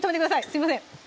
すいません